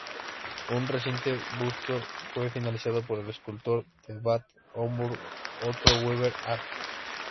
Un reciente busto fue finalizado por el escultor de Bad Homburg Otto Weber-Hartl.